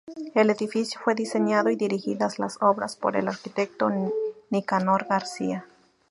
El edificio fue diseñado, y dirigidas las obras, por el arquitecto Nicanor García.